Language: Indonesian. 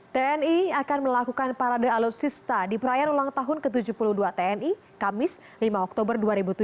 tni akan melakukan parade alusista di perayaan ulang tahun ke tujuh puluh dua tni kamis lima oktober dua ribu tujuh belas